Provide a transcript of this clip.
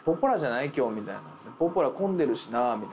「ポポラ混んでるしな」みたいな。